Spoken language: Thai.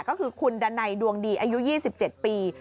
ก็คือคุณดันัยดวงดีอายุ๒๗ปี